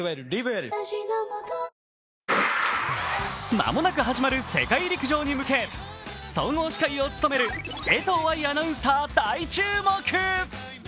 間もなく始まる世界陸上に向け総合司会を務める江藤愛アナウンサー大注目。